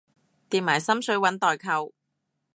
疊埋心水搵代購